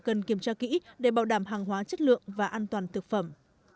cần kiểm tra kỹ để bảo đảm hàng hóa chất lượng và an toàn thực phẩm